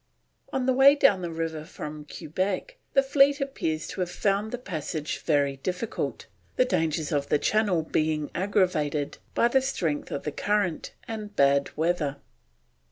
On the way down the river from Quebec, the fleet appears to have found the passage very difficult, the dangers of the Channel being aggravated by the strength of the current and bad weather.